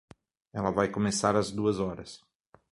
Ela vai começar às duas horas.